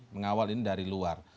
mengawal ini dari luar